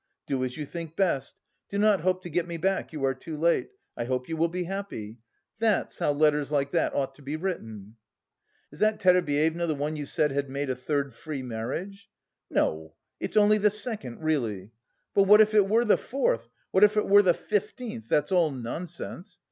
Do as you think best. Do not hope to get me back, you are too late. I hope you will be happy.' That's how letters like that ought to be written!" "Is that Terebyeva the one you said had made a third free marriage?" "No, it's only the second, really! But what if it were the fourth, what if it were the fifteenth, that's all nonsense!